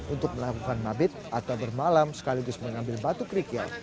untuk melakukan mabit atau bermalam sekaligus mengambil batu kerikil